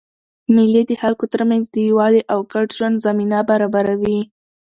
مېلې د خلکو ترمنځ د یووالي او ګډ ژوند زمینه برابروي.